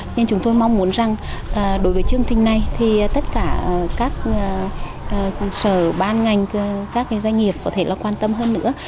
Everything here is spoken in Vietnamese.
nhưng chúng tôi mong muốn rằng đối với chương trình này thì tất cả các sở ban ngành các doanh nghiệp có thể là quan tâm hơn nữa